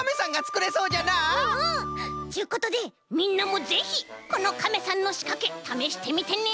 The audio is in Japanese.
ちゅうことでみんなもぜひこのカメさんのしかけためしてみてね。